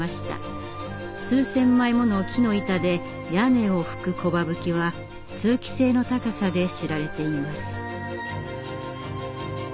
数千枚もの木の板で屋根をふく「木羽葺」は通気性の高さで知られています。